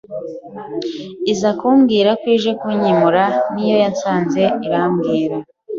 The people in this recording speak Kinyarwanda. iza kumbwirako ije kunyimura, niyo yansanze irambwira,